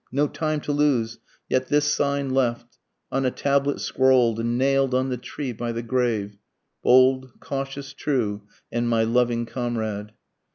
no time to lose yet this sign left, On a tablet scrawl'd and nail'd on the tree by the grave, _Bold, cautious, true, and my loving comrade.